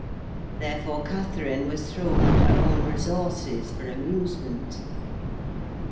Therefore Catherine was thrown on her own resources for amusement.